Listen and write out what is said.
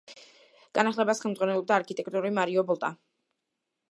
განახლებას ხელმძღვანელობდა არქიტექტორი მარიო ბოტა.